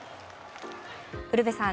ウルヴェさん